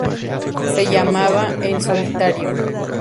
Se llamaba "El solitario".